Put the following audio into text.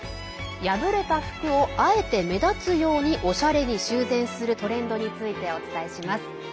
破れた服をあえて、目立つようにおしゃれに修繕するトレンドについてお伝えします。